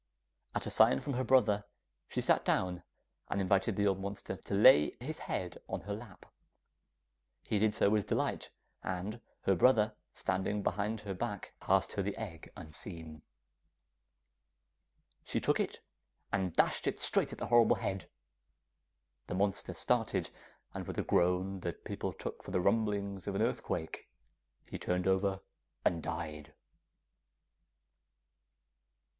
At a sign from her brother she sat down and invited the old monster to lay his head on her lap. He did so with delight, and her brother standing behind her back passed her the egg unseen. She took it, and dashed it straight at the horrible head, and the monster started, and with a groan that people took for the rumblings of an earthquake, he turned over and died.